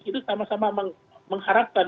itu sama sama mengharapkan